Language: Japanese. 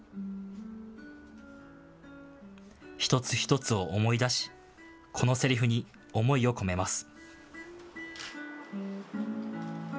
一つ一つを思い出しこのセリフに思いを込めます。